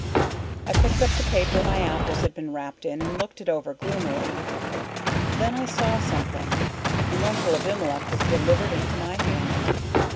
I picked up the paper my apples had been wrapped in and looked it over gloomily. Then I saw something, and Uncle Abimelech was delivered into my hand.